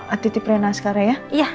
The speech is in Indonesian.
ati tiprena sekarang ya